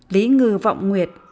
lý ngừ vọng nguyệt